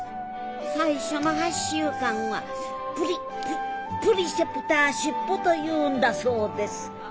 最初の８週間はプリププリセプターシップというんだそうです。